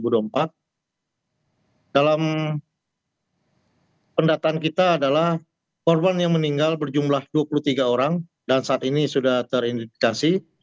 dalam pendataan kita adalah korban yang meninggal berjumlah dua puluh tiga orang dan saat ini sudah terindikasi